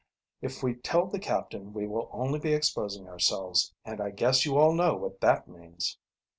"If we tell the captain we will only be exposing ourselves, and I guess you all know what that means."